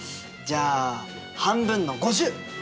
じゃあ半分の５０！